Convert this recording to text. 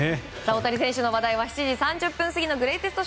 大谷選手の話題は７時３０分過ぎのグレイテスト